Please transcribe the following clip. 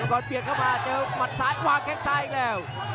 ก่อนเปลี่ยนเข้ามาเจอหมัดซ้ายวางแข้งซ้ายอีกแล้ว